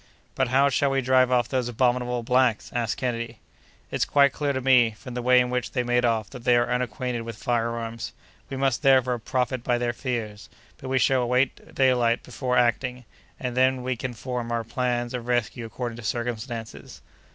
"But how shall we drive off those abominable blacks?" asked Kennedy. "It's quite clear to me, from the way in which they made off, that they are unacquainted with fire arms. We must, therefore, profit by their fears; but we shall await daylight before acting, and then we can form our plans of rescue according to circumstances."